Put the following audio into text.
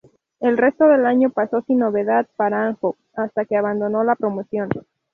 El resto del año pasó sin novedad para Anjo, hasta que abandonó la promoción.